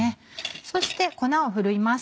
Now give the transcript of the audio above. そして粉をふるいます。